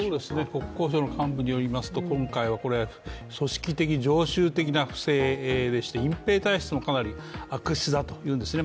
国交省の幹部によりますとこれ、組織的、常習的でして隠蔽体質もかなり悪質だというんですね。